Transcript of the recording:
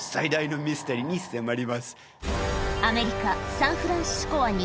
アメリカ